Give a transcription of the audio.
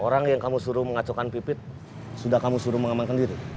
orang yang kamu suruh mengacaukan pipit sudah kamu suruh mengamankan diri